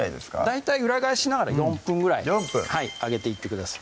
大体裏返しながら４分ぐらい揚げていってください